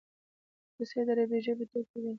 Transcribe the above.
تصحیح د عربي ژبي ټکی دﺉ.